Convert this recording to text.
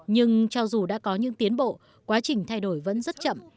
nhưng cho dù đã có những tiến bộ quá trình thay đổi vẫn rất chậm